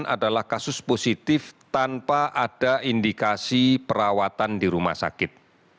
adalah kasus positif tanpa ada indikasi perawatan di rumah sakit